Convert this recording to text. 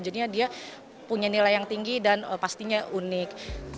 jadinya dia punya nilai yang tinggi dan pastinya unik